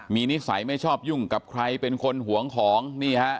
มีนิสัยไม่ชอบยุ่งกับใครเป็นคนหวงของนี่ฮะ